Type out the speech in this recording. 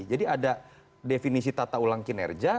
jadi ada definisi tata ulang kinerja